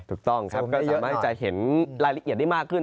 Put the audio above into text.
ถูกต้องครับก็สามารถที่จะเห็นรายละเอียดได้มากขึ้น